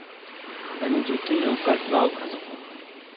اَنی جُتی نِیو کَچ لاؤ کھَزِیوں۔